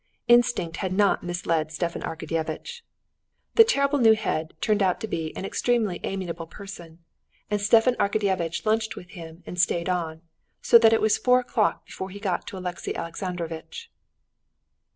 Instinct had not misled Stepan Arkadyevitch. The terrible new head turned out to be an extremely amenable person, and Stepan Arkadyevitch lunched with him and stayed on, so that it was four o'clock before he got to Alexey Alexandrovitch.